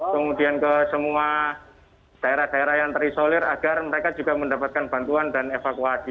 kemudian ke semua daerah daerah yang terisolir agar mereka juga mendapatkan bantuan dan evakuasi